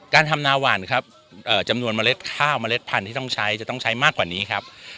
การทำนาว่านครับ